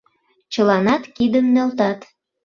Чыланат кидым нӧлтат.